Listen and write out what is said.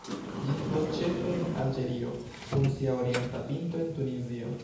Ĝi situas ĉefe en Alĝerio, kun sia orienta pinto en Tunizio.